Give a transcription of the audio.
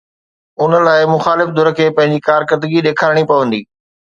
ان لاءِ مخالف ڌر کي پنهنجي ڪارڪردگي ڏيکارڻي پوندي.